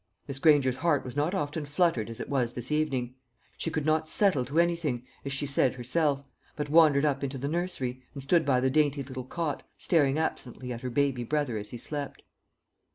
Miss Granger's heart was not often fluttered as it was this evening. She could not "settle to anything," as she said herself, but wandered up into the nursery, and stood by the dainty little cot, staring absently at her baby brother as he slept.